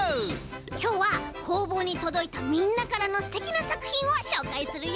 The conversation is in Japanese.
きょうはこうぼうにとどいたみんなからのすてきなさくひんをしょうかいするよ！